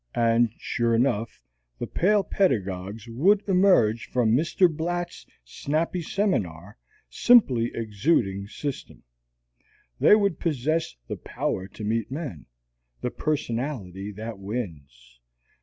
And, sure enough, the pale pedagogues would emerge from Mr. Blat's snappy seminar simply exuding system. They would possess the Power to Meet Men, the Personality that Wins.